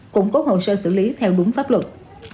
củng cố hồ sơ xử lý theo đúng pháp luật